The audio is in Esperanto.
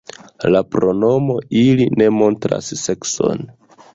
La pronomo ili ne montras sekson.